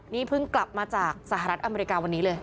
นี่เพิ่งกลับมาจากสหรัฐอเมริกาวันนี้เลย